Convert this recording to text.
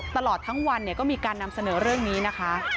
ตลอดทั้งวันก็มีการนำเสนอเรื่องนี้นะคะ